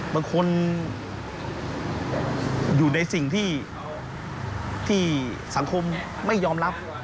บางคนอยู่ในสิ่งที่สังคมไม่ยอมรับ